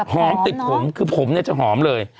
ติดผมคือผมเนี่ยจะหอมเลย